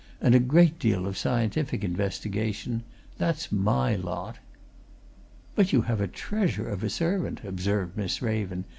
and a great deal of scientific investigation that's my lot." "But you have a treasure of a servant," observed Miss Raven.